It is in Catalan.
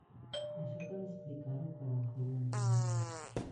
Això cal explicar-ho per a fer-ho entendre bé.